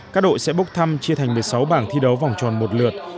các đội sẽ bốc thăm chia thành một mươi sáu bảng thi đấu vòng tròn một lượt